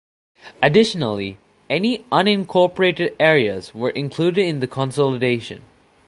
Additionally, any unincorporated areas were included in the consolidation.